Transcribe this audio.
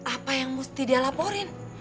apa yang mesti dia laporin